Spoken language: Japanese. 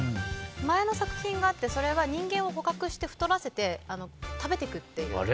前の作品があってそれは人間を捕獲して太らせて、食べていくっていう。